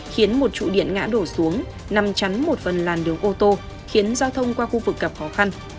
khiến một trụ điện ngã đổ xuống nằm chắn một phần làn đường ô tô khiến giao thông qua khu vực gặp khó khăn